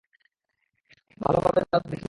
ভালভাবে দাও তো দেখি।